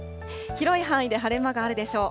広い範囲で晴れ間があるでしょう。